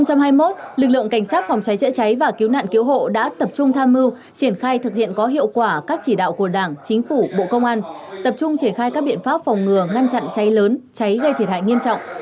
cảnh sát phòng cháy chữa cháy và cứu nạn cứu hộ đã tập trung tham mưu triển khai thực hiện có hiệu quả các chỉ đạo của đảng chính phủ bộ công an tập trung triển khai các biện pháp phòng ngừa ngăn chặn cháy lớn cháy gây thiệt hại nghiêm trọng